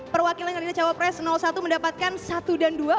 perwakilan kandidat cawapres satu mendapatkan satu dan dua